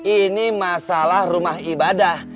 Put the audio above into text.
ini masalah rumah ibadah